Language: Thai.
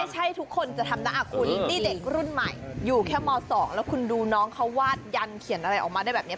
ใช่ทุกคนจะทำนะคุณนี่เด็กรุ่นใหม่อยู่แค่ม๒แล้วคุณดูน้องเขาวาดยันเขียนอะไรออกมาได้แบบนี้